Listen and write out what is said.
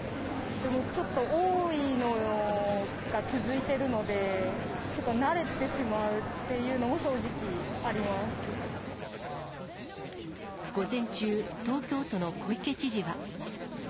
でもちょっと多いのが続いてるので、ちょっと慣れてしまうってい午前中、東京都の小池知事は。